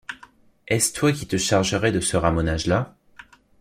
Est-ce toi qui te chargerais de ce ramonage-là